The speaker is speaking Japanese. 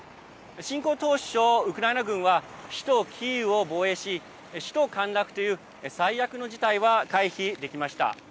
侵攻当初、ウクライナ軍は首都キーウを防衛し首都陥落という最悪の事態は回避できました。